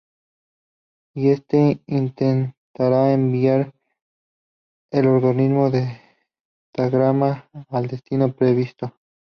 Y este intentará enviar el original datagrama al destino previsto.